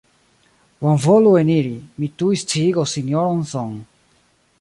Bonvolu eniri; mi tuj sciigos Sinjoron Song.